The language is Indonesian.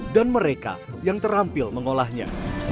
dan mereka yang terampil mengolahnya